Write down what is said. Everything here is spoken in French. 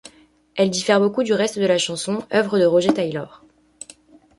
Elle diffère beaucoup du reste de la chanson, œuvre de Roger Taylor.